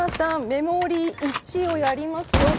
メモリー１やりますよ。